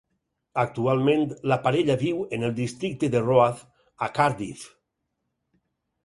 Actualment, la parella viu en el districte de Roath, a Cardiff.